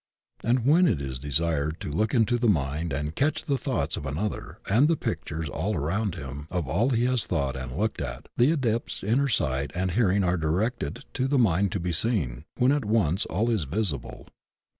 And when it is desired to look into the mind and catch the thoughts of another and the pictures all around him of all he has thought and looked at, the Adept's inner sight and hearing are directed to the mind to be seen, when at once all is visible.